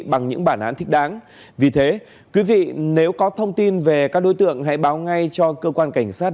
bằng những bản án thích đáng vì thế quý vị nếu có thông tin về các đối tượng hãy báo ngay cho cơ quan cảnh sát